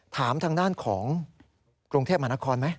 ถามทางด้านของกรุงเทพมหานครไหม